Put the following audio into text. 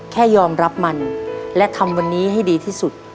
แค่ยอมรับมันและทำวันนี้ให้ดีที่สุด